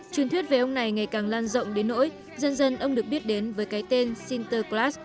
chuyên thuyết về ông này ngày càng lan rộng đến nỗi dân dân ông được biết đến với cái tên sinterklaas